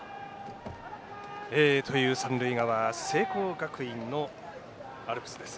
という三塁側聖光学院のアルプスです。